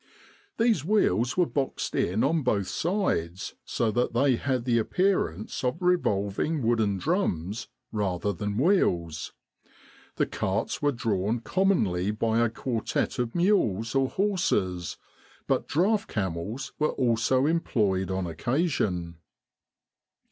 These wheels were boxed in on both sides, so that they had the appearance of revolving wooden drums rather than wheels. The carts were drawn commonly by a quartette of mules or horses, but draught camels were also employed on occasion.